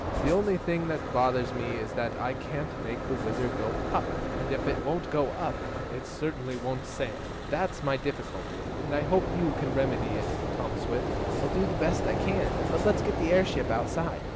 The only thing that bothers me is that I can't make the WHIZZER go up, and if it won't go up, it certainly won't sail. That's my difficulty, and I hope you can remedy it, Tom Swift." "I'll do the best I can. But let's get the airship outside."